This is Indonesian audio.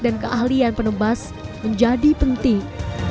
dan keahlian penebas menjadi penting